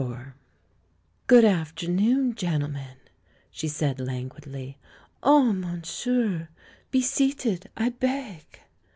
IV "Good afternoon^ gentlemen," she said lan guidly. "Ah, monsieur! be seated, I beg."